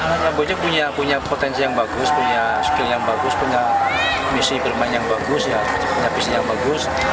kamboja punya potensi yang bagus punya skill yang bagus punya misi bermain yang bagus punya visi yang bagus